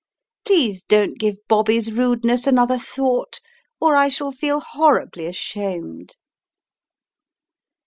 Please don't give Bobby's rudeness another thought or I shall feel horribly ashamed."